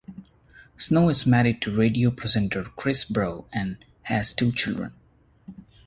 Snow is married to radio presenter Chris Bro and has two children.